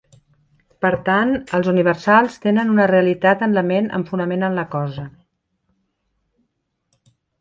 Per tant, els universals tenen una realitat en la ment amb fonament en la cosa.